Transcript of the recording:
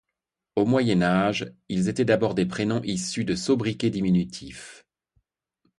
Au Moyen Âge, ils étaient d'abord des prénoms issus de sobriquets diminutifs.